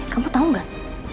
kamu tahu gak